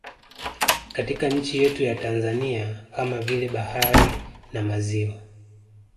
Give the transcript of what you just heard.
Katika nchi yetu ya Tanzania kama vile bahari na maziwa